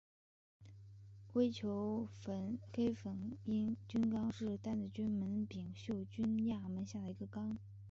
微球黑粉菌纲是担子菌门柄锈菌亚门下的一个纲。